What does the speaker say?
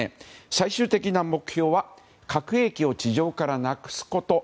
最終的な目標は核兵器を地上からなくすこと。